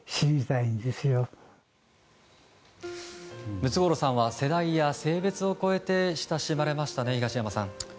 ムツゴロウさんは世代や性別を超えて親しまれましたね、東山さん。